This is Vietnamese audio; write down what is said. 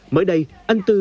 mới đây anh tư